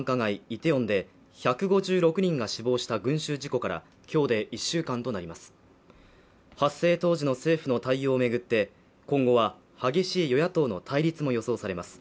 イテウォンで１５６人が死亡した群集事故からきょうで１週間となります発生当時の政府の対応を巡って今後は激しい与野党の対立も予想されます